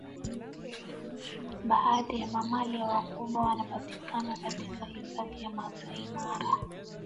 baadhi ya mamalia wakubwa wanapatikana katika hifadhi ya masai mara